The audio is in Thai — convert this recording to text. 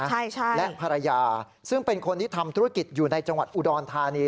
ใช่ใช่และภรรยาซึ่งเป็นคนที่ทำธุรกิจอยู่ในจังหวัดอุดรธานี